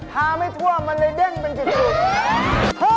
ทาไม่ทั่วมันเลยเด้งเป็นจิตจุด